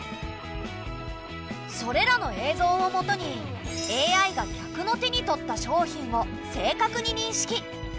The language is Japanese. それらの映像をもとにＡＩが客の手に取った商品を正確に認識。